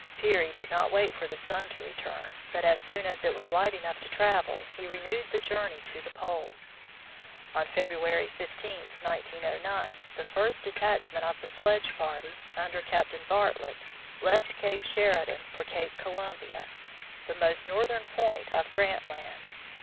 Peary did not wait for the sun to return, but as soon as it was light enough to travel he renewed the journey to the Pole. On February 15, 1909, the first detachment of the sledge party under Captain Bartlett left Cape Sheridan for Cape Columbia, the most northern point of Grant Land.